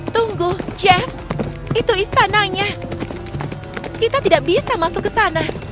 tunggu jeff itu istananya kita tidak bisa masuk ke sana